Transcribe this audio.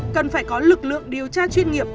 cần phải có lực lượng điều tra chuyên nghiệp